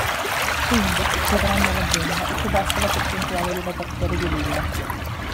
Quindi, più grande è l'azienda, più bassa è la percentuale di "lavoratori di linea".